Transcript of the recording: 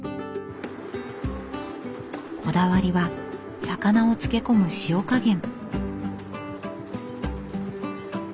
こだわりは魚を漬け込む塩加減。